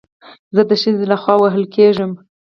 زه د ښځې له خوا وهل کېږم